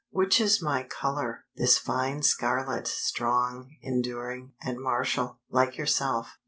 "Which is my color?" "This fine scarlet, strong, enduring, and martial, like yourself."